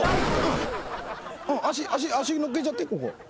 足乗っけちゃってここ。